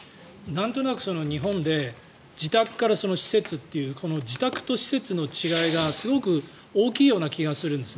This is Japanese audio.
なんとなく、日本で自宅から施設というこの自宅と施設の違いが、すごく大きいような気がするんです。